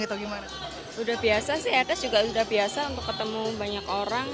udah biasa sih etes juga sudah biasa untuk ketemu banyak orang